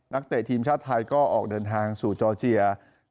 เตะทีมชาติไทยก็ออกเดินทางสู่จอร์เจีย